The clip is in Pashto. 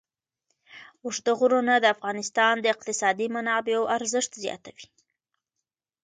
اوږده غرونه د افغانستان د اقتصادي منابعو ارزښت زیاتوي.